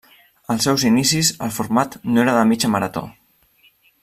En els seus inicis el format no era de mitja marató.